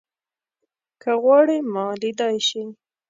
که غواړې ما ليدای شې